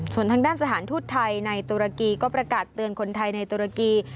ส่วนทางด้านสถานทูตไทยในตุรกีก็ประกาศเตือนคนไทยในตุรกี